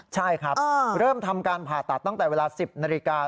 ใช่ครับเริ่มทำการผ่าตัดตั้งแต่เวลา๑๐นาฬิกา